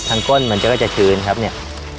ก้นมันจะก็จะชื้นครับเนี่ย